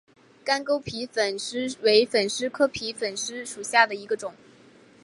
干沟皮粉虱为粉虱科皮粉虱属下的一个种。